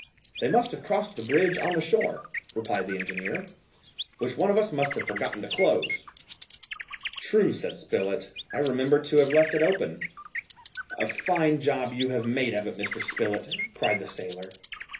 "They must have crossed the bridge on the shore," replied the engineer, "which one of us must have forgotten to close." "True," said Spilett, "I remember to have left it open." "A fine job you have made of it, Mr. Spilett," cried the sailor.